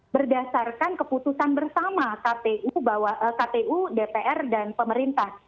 berdasarkan keputusan bersama kpu dpr dan pemerintah